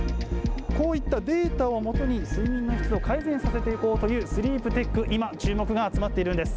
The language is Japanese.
こういったデータを基に、睡眠の質を改善させていこうというスリープテック、今、注目が集まっているんです。